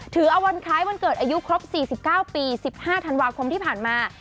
ถือเอาวันคล้ายวันเกิดอายุครบ๔๙ปี๑๕ธันวาคมที่ผ่านมา